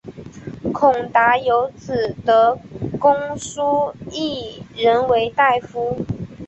孔达有子得闾叔榖仍为大夫。